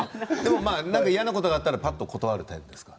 嫌なことがあったら断るタイプですか。